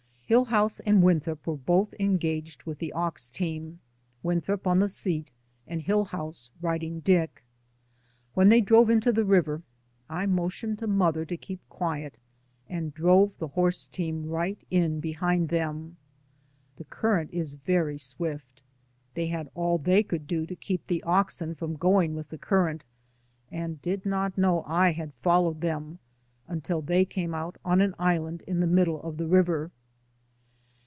Hillhouse and Winthrop were both en gaged with the ox team, Winthrop on the seat and Hillhouse riding Dick. When they drove into the river I motioned to mother to keep quiet and drove the horse team right in behind them. The current is very swift; they had all they could do to keep the oxen from going with the current, and did not know I had followed them until they came out on an island in the middle of the river.